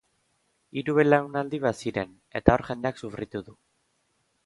Hiru belaunaldi baziren, eta hor jendeak sufritu du.